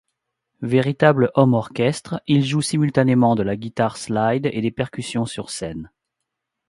Véritable homme-orchestre, il joue simultanément de la guitare slide et des percussions sur scène.